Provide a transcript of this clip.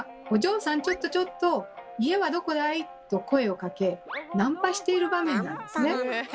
ちょっとちょっと家はどこだい？」と声をかけナンパしている場面なんですね。